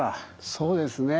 そうですね。